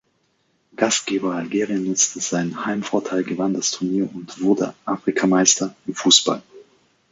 Gastgeber Algerien nutzte seinen Heimvorteil gewann das Turnier und wurde Afrikameister im Fußball.